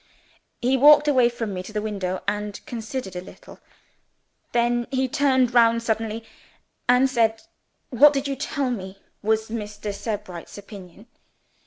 He walked away from me to the window, and considered a little. Then he turned round suddenly and said 'What did you tell me was Mr. Sebright's opinion?